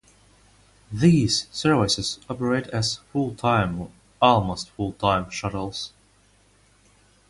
These services operate as full-time or almost full-time shuttles.